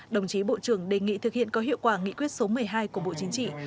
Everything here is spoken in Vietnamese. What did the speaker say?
đồng chí bộ trưởng đề nghị thực hiện có hiệu quả nghị quyết số một mươi hai của bộ chính trị